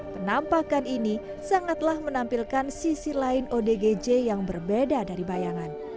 penampakan ini sangatlah menampilkan sisi lain odgj yang berbeda dari bayangan